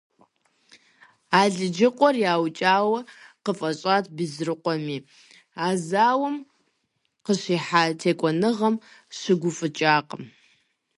Алыджыкъуэр яукӏауэ къыфӏэщӏат Безрыкъуэми, а зауэм къыщихьа текӏуэныгъэм щыгуфӏыкӏакъым.